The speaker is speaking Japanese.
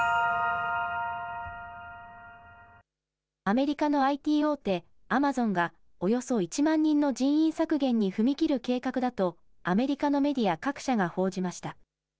アメリカのＩＴ大手、アマゾンがおよそ１万人の人員削減に踏み切る計画だとアメリカのメディア各社が報じました。